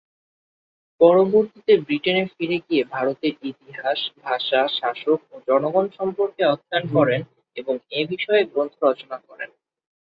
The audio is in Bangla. পরবর্তীতে ব্রিটেনে ফিরে গিয়ে ভারতের ইতিহাস, ভাষা, শাসক ও জনগণ সম্পর্কে অধ্যয়ন করেন এবং এ বিষয়ে গ্রন্থ রচনা করেন।